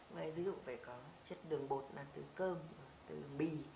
ví dụ phải có chất đường bột từ cơm từ mì